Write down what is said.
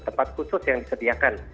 tempat khusus yang disediakan